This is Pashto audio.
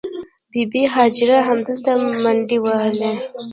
بې بي هاجرې همدلته منډې وهلې.